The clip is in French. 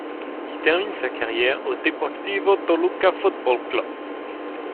Il termine sa carrière au Deportivo Toluca Fútbol Club.